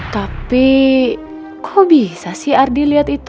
tapi kok bisa sih ardi liat itu